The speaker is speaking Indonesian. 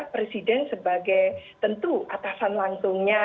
presiden sebagai tentu atasan langsungnya